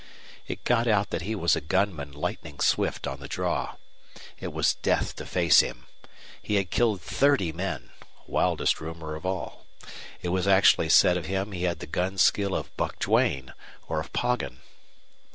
It got out that he was a gunman lightning swift on the draw. It was death to face him. He had killed thirty men wildest rumor of all it was actually said of him he had the gun skill of Buck Duane or of Poggin.